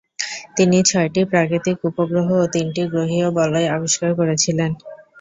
তিনি ছয়টি প্রাকৃতিক উপগ্রহ ও তিনটি গ্রহীয় বলয় আবিষ্কার করেছিলেন।